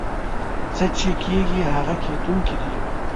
څه چې کېږي هغه کېدونکي دي.